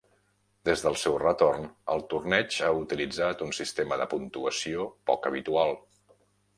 Des del seu retorn, el torneig ha utilitzat un sistema de puntuació poc habitual.